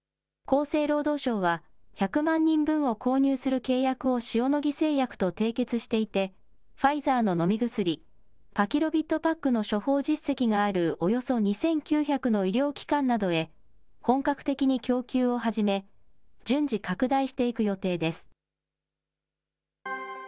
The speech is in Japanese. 厚生労働省は、１００万人分を購入する契約を塩野義製薬と締結していて、ファイザーの飲み薬、パキロビッドパックの処方実績があるおよそ２９００の医療機関などへ、本格的に供給を始め、順次、拡大していく予定です。